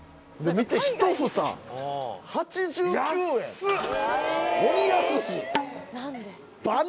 見て１房８９円安っ！